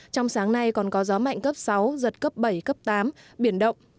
trong sáng nay còn có gió mạnh cấp sáu giật cấp bảy cấp tám biển động